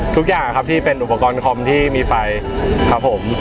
ทุกอย่างครับที่เป็นอุปกรณ์คอมที่มีไฟครับผม